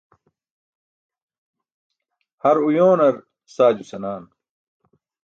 Har oyoonar saajo senaan.